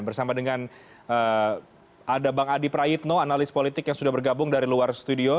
bersama dengan ada bang adi prayitno analis politik yang sudah bergabung dari luar studio